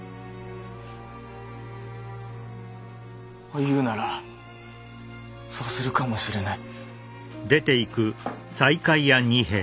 お夕ならそうするかもしれない。